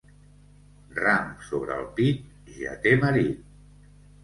Ram sobre el pit, ja té marit.